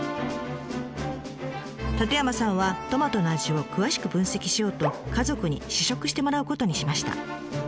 舘山さんはトマトの味を詳しく分析しようと家族に試食してもらうことにしました。